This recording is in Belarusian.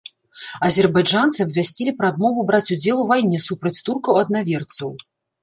Азербайджанцы абвясцілі пра адмову браць удзел у вайне супраць туркаў-аднаверцаў.